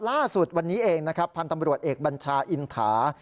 ล่าสุดวันนี้เองนะครับพันธ์ตำรวจเอกบัญชาอินทา